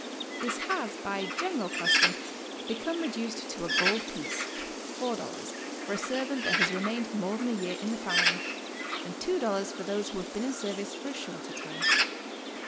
This has by general custom become reduced to a gold piece, 176 GOING ABROAD? $4, for a servant that has remained more than a year iti the family, and $2 for tho se who have been in service for a shorter time.